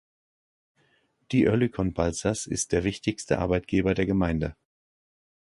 Die Oerlikon Balzers ist der wichtigste Arbeitgeber der Gemeinde.